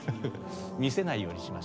見せないようにしました。